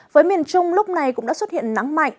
với miền trung lúc này cũng đã xuất hiện nắng mạnh